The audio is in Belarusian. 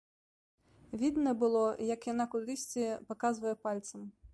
Відна было, як яна кудысьці паказвае пальцам.